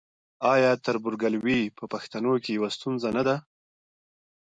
آیا تربورګلوي په پښتنو کې یوه ستونزه نه ده؟